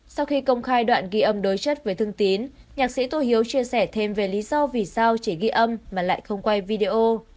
sau khi công khai đoạn ghi âm đối chất với thương tín nhạc sĩ tô hiếu chia sẻ thêm về lý do vì sao chỉ ghi âm mà lại không quay video